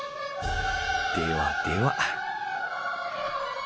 ではでは。